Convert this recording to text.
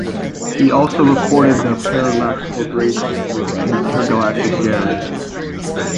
He has also recorded as The Parallax Corporation with Intergalactic Gary.